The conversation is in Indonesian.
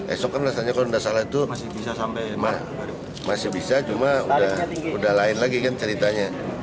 esok kan rasanya kalau nggak salah itu masih bisa cuma udah lain lagi kan ceritanya